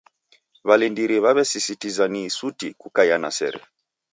W'alindiri w'aw'esisitiza ni suti kukaiya na sere.